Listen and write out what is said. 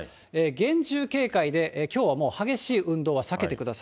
厳重警戒で、きょうはもう激しい運動は避けてください。